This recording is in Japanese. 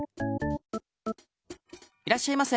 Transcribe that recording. いらっしゃいませ。